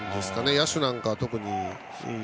野手なんかは特に。